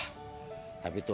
eh keren tuh